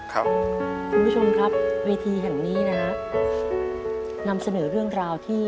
คุณผู้ชมครับวิธีแห่งนี้นะครับ